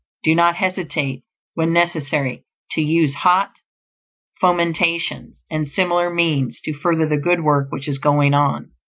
Do not hesitate, when necessary, to use hot fomentations and similar means to further the good work which is going on.